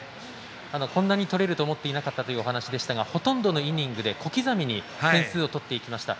こんなに取れると思っていなかったという話ですがほとんどのイニングで小刻みに点数を取っていきました。